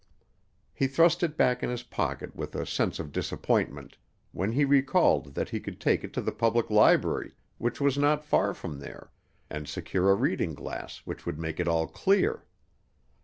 He thrust it back in his pocket with a sense of disappointment, when he recalled that he could take it to the Public Library which was not far from there and secure a reading glass which would make it all clear.